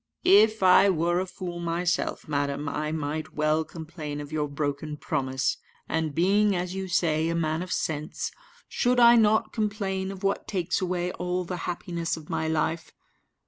"If I were a fool myself, madam, I might well complain of your broken promise; and being, as you say, a man of sense, should I not complain of what takes away all the happiness of my life?